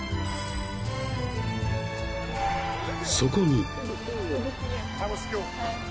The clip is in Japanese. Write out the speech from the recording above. ［そこに］